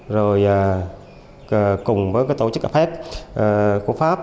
rồi cùng với tổ chức apec của pháp